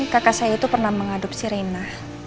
kakak saya itu pernah mengadopsi rina